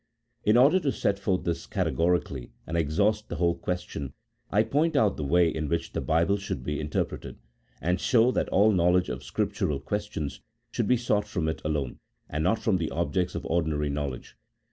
In order to set this forth categori cally and exhaust the whole question, I point out the way in which the Bible should be interpreted, and show that all knowledge of spiritual questions should be sought from it alone, and not from the objects of ordinary knowledge.